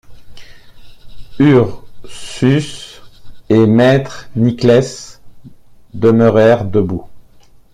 Ursus et maître Nicless demeurèrent debout.